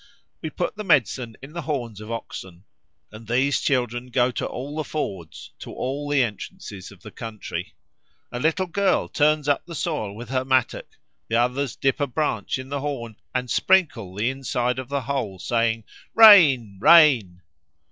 We put the medicine in the horns of oxen, and these children go to all the fords, to all the entrances of the country. A little girl turns up the soil with her mattock, the others dip a branch in the horn and sprinkle the inside of the hole saying, 'Rain! rain!'